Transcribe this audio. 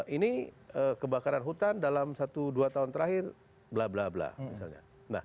ini kebakaran hutan dalam satu dua tahun terakhir bla bla bla misalnya